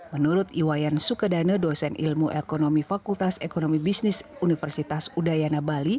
menurut iwayan sukedane dosen ilmu ekonomi fakultas ekonomi bisnis universitas udayana bali